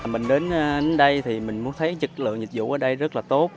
mình đến đây thì mình muốn thấy chất lượng dịch vụ ở đây rất là tốt